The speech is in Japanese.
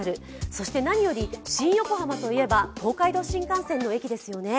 そして何より新横浜といえば東海道新幹線の駅ですよね。